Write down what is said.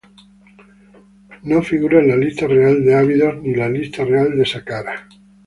No figura en la Lista Real de Abidos ni la Lista Real de Saqqara.